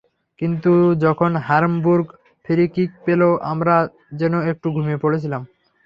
কিন্তু যখন Hamburg free kick পেল আমরা যেন একটু ঘুমিয়ে পড়েছিলাম।